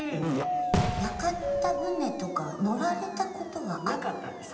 屋形船とか乗られたことは？なかったんです。